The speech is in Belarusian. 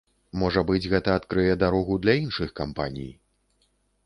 Можа быць, гэта адкрые дарогу для іншых кампаній.